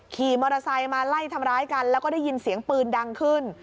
ขี่มอเตอร์ไซค์มาไล่ทำร้ายกันแล้วก็ได้ยินเสียงปืนดังขึ้น